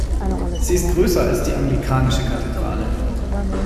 Sie ist größer als die anglikanische Kathedrale.